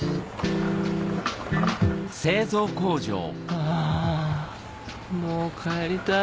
あもう帰りたい